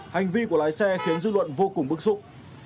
hành vi của lái xe khiến dư luận vô cùng bức xúc